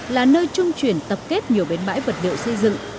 là nơi trung chuyển tập kết nhiều bến bãi vật liệu xây dựng